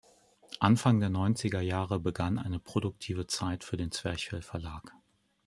Anfang der Neunziger Jahre begann eine produktive Zeit für den Zwerchfell Verlag.